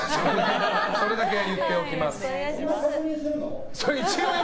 それだけ言っておきます。